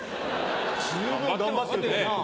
十分頑張ってるよな。